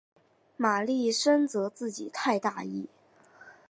玛丽深责自己太大意。